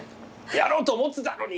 やろうと思ってたのに！